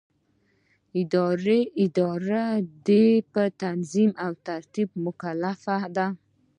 اداره د دې په تنظیم او ترتیب مکلفه ده.